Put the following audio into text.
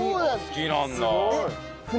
好きなんだ。